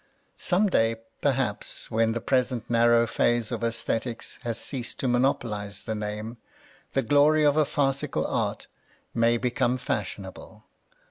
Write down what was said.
Some day, perhaps, when the present narrow phase of aesthetics has ceased to monopolize the name, the glory of a farcical art may become fashionable.